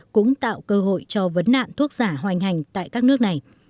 cũng tạo cơ hội cho vấn nạn thuốc giả hoành hành tại các nước này